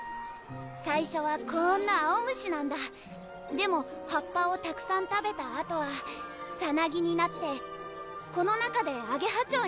最初はこんな青虫なんだでも葉っぱをたくさん食べたあとはさなぎになってこの中でアゲハチョウになるんだよ